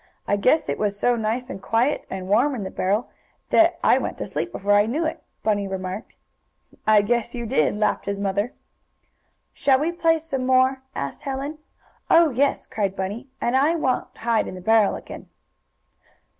"I guess it was so nice and quiet and warm in the barrel that I went to sleep before I knew it," Bunny remarked. "I guess you did," laughed his mother. "Shall we play some more?" asked Helen. "Oh, yes!" cried Bunny. "And I won't hide in the barrel again."